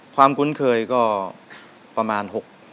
ความคุ้นเคยก็ประมาณ๖๕